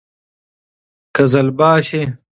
قـــزلــباشــــــــــي